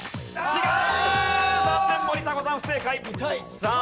違う！